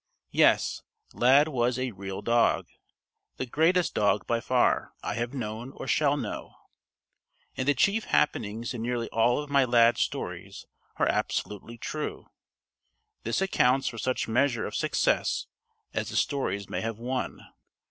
Yes, Lad was a "real" dog the greatest dog by far, I have known or shall know. And the chief happenings in nearly all of my Lad stories are absolutely true. This accounts for such measure of success as the stories may have won.